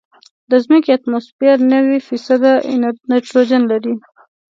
د ځمکې اتموسفیر نوي فیصده نایټروجن لري.